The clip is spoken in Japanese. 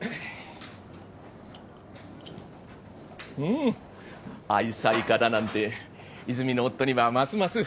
ん愛妻家だなんて泉の夫にはますますふさわしいよ。